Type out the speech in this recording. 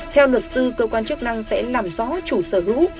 theo luật sư cơ quan chức năng sẽ làm rõ chủ sở hữu